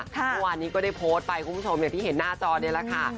เมื่อวานนี้ก็ได้โพสต์ไปคุณผู้ชมอย่างที่เห็นหน้าจอนี่แหละค่ะ